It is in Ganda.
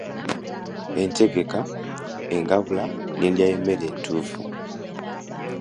Entegeka, engabula n'endya y'emmere entuufu.